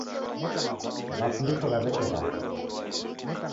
Mafundisho gha w'eke w'aw'a